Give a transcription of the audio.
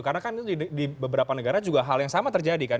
karena kan di beberapa negara juga hal yang sama terjadi kan